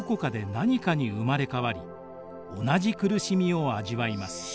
何かに生まれ変わり同じ苦しみを味わいます。